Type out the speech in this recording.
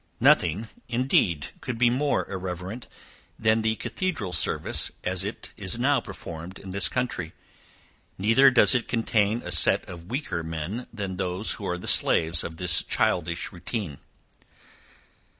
Nothing, indeed, can be more irreverent than the cathedral service as it is now performed in this country, neither does it contain a set of weaker men than those who are the slaves of this childish routine.